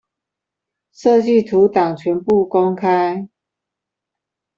設計圖檔全部公開